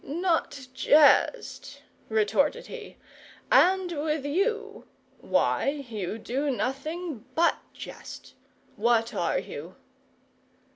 "Not jest!" retorted he; "and with you? Why, you do nothing but jest. What are you?"